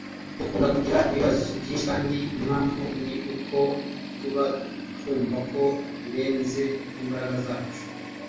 dukunda kugira ibibazo byinshi kandi impamvu ni uko tuba twumva ko birenze imbaraga zacu